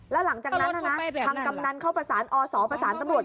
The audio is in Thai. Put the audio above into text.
แล้วหลังจากนั้นทางกำนันเขาประสานอศประสานตำรวจ